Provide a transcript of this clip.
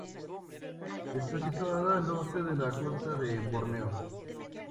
Está situada al norte de la costa de Borneo.